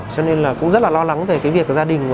cho nên là cũng rất là lo lắng về cái việc gia đình